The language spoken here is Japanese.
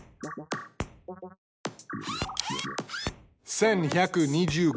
１，１２５。